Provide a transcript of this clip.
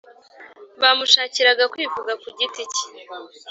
bamushakiraga kwivuga kugiti cye